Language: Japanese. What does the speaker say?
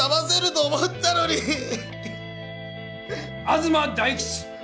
東大吉！